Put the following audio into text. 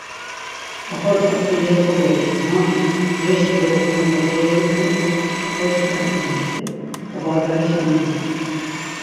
Oxorcak dulyas kogyoç̆k̆u, manti mcveşi dolokunepe kodolovikuni do oxorişi gale gamapti, obargaleşa mendapti.